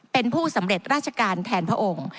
เป็นผู้สำเร็จราชการแทนพระองค์